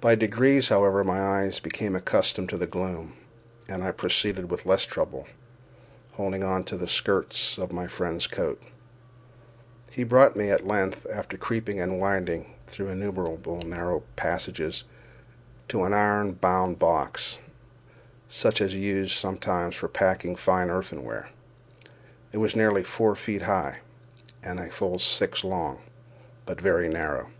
By degrees, however, my eyes became accustomed to the gloom, and I proceeded with less trouble, holding on to the skirts of my friend's coat. He brought me, at length, after creeping and winding through innumerable narrow passages, to an iron bound box, such as is used sometimes for packing fine earthenware. It was nearly four feet high, and full six long, but very narrow.